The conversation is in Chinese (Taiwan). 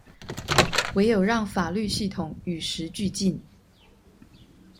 唯有讓法律系統與時俱進